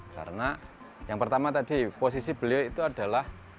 karena yang pertama tadi posisi beliau itu adalah